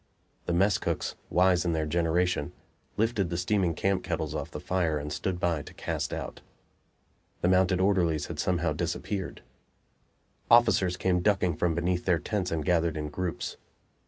The mess cooks, wise in their generation, lifted the steaming camp kettles off the fire and stood by to cast out. The mounted orderlies had somehow disappeared. Officers came ducking from beneath their tents and gathered in groups.